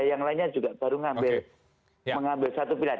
sekarang juga baru mengambil satu pilihan